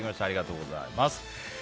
ありがとうございます。